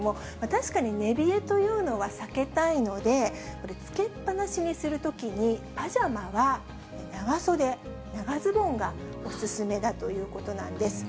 確かに寝冷えというのは避けたいので、つけっぱなしにするときに、パジャマは長袖、長ズボンがお勧めだということなんです。